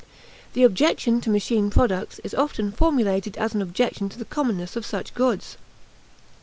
The objection to machine products is often formulated as an objection to the commonness of such goods.